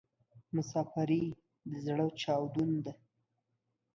مسافري د ﺯړه چاودون ده